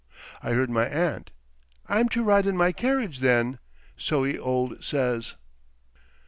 I heard my aunt: "I'm to ride in my carriage then. So he old says."